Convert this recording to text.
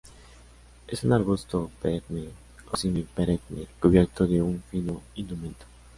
Es un arbusto perenne o semi-perenne cubierto de un fino indumento.